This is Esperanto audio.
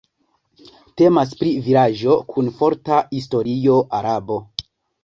Temas pri vilaĝo kun forta historio araba.